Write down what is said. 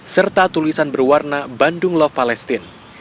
serta tulisan berwarna bandung love palestine